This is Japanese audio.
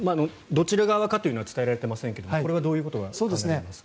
どちら側かというのは伝えられていませんがこれはどういうことが考えられますか。